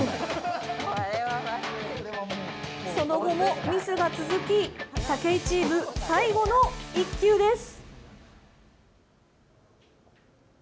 その後もミスが続き武井チーム、最後の１球です。